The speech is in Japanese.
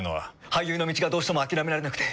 俳優の道がどうしても諦められなくて。